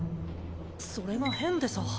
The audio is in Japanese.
それが変でさ。